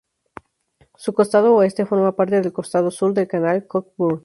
Su costado oeste forma parte del costado sur del canal Cockburn.